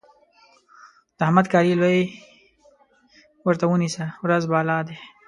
د احمد کالي لوی ورته ونيسه؛ ورځ بالا دی.